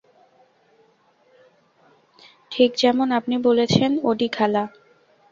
ঠিক যেমন আপনি বলেছেন, ওডি খালা।